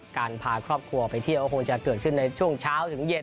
การพาครอบครัวไปเที่ยวก็คงจะเกิดขึ้นในช่วงเช้าถึงเย็น